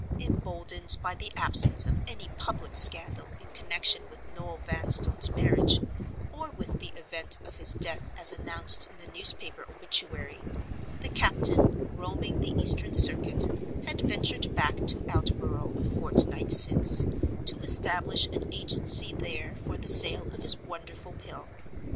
Emboldened by the absence of any public scandal in connection with Noel Vanstone's marriage, or with the event of his death as announced in the newspaper obituary, the captain, roaming the eastern circuit, had ventured back to Aldborough a fortnight since, to establish an agency there for the sale of his wonderful Pill.